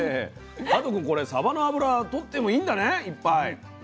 加藤君これサバの脂はとってもいいんだねいっぱい。